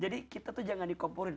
jadi kita tuh jangan dikompolin